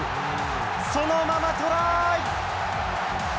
そのままトライ！